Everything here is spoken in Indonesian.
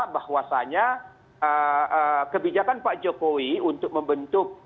bahwasannya kebijakan pak jokowi untuk membentuk